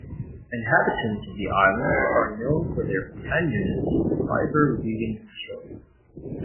Inhabitants of the islands are known for their pandanus fiber weaving skills.